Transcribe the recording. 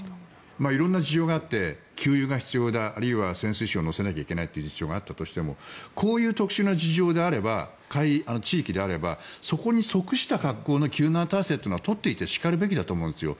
色んな事情があって給油が必要だあるいは潜水士を乗せなきゃいけないという事情があったとしてもこういう特殊な事情、地域であればそこに即した格好の救難体制を取っていてしかるべきだと思うんですよ。